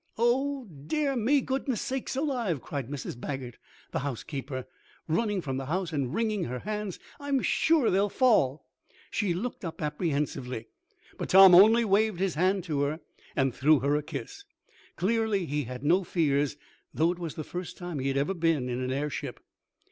"Oh, dear me, goodness sakes alive!" cried Mrs. Baggert, the housekeeper, running from the house and wringing her hands. "I'm sure they'll fall!" She looked up apprehensively, but Tom only waved his hand to her, and threw her a kiss. Clearly he had no fears, though it was the first time he had ever been in an airship.